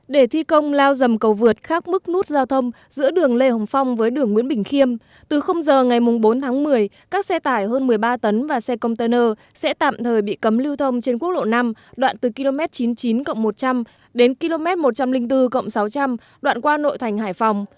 để thi công lao dầm cầu vượt khác mức nút giao thông giữa đường lê hồng phong với đường nguyễn bình khiêm từ giờ ngày bốn tháng một mươi các xe tải hơn một mươi ba tấn và xe container sẽ tạm thời bị cấm lưu thông trên quốc lộ năm đoạn từ km chín mươi chín một trăm linh đến km một trăm linh bốn sáu trăm linh đoạn qua nội thành hải phòng